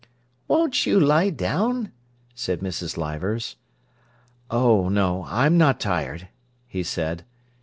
"Won't you lie down?" said Mrs. Leivers. "Oh no; I'm not tired," he said.